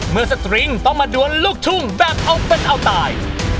สตริงต้องมาดวนลูกทุ่งแบบเอาเป็นเอาตาย